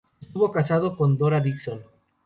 Estuvo casado con Dora Dixon.